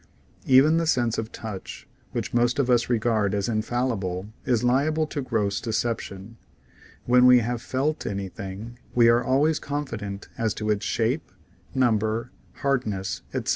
Even the sense of touch, which most of us regard as infallible, is liable to gross deception. When we have "felt " anything we are always confident as to its shape, number, hardness, etc.